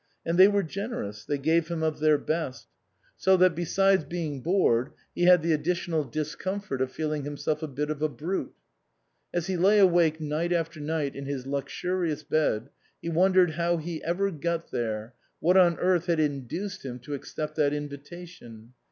And they were generous, they gave him of their best ; so 37 THE COSMOPOLITAN that, besides being bored, he had the additional discomfort of feeling himself a bit of a brute. As he lay awake night after night in his luxurious bed, he wondered how he ever got there, what on earth had induced him to accept that invitation.